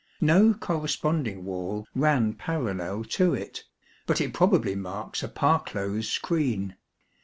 No corresponding wall ran parallel to it, but it probably marks a parclose screen.